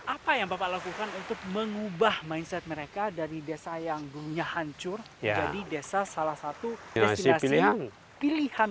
apa yang bapak lakukan untuk mengubah mindset mereka dari desa yang hancur jadi desa salah satu destinasi pilihan